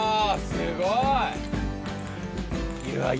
すごーい。